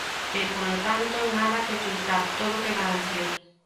E, polo tanto, nada que ocultar, todo que garantir.